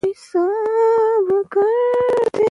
ازادي راډیو د د انتخاباتو بهیر پرمختګ سنجولی.